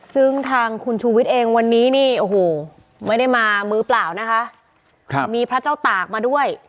ซึ่งทางคุณชูวิทย์เองวันนี้นี่โอ้โหไม่ได้มามือเปล่านะคะมีพระเจ้าตากมาด้วย